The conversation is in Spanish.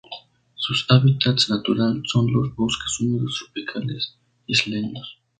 Sus hábitats naturales son los bosques húmedos tropicales isleños.